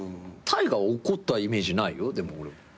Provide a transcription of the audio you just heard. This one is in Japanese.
太賀怒ったイメージないよでも。